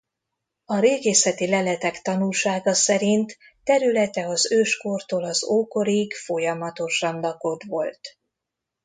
A régészeti leletek tanúsága szerint területe az őskortól az ókorig folyamatosan lakott volt.